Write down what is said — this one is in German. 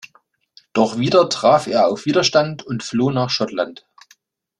Doch wieder traf er auf Widerstand und floh nach Schottland.